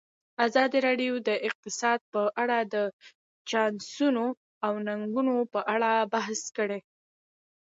ازادي راډیو د اقتصاد په اړه د چانسونو او ننګونو په اړه بحث کړی.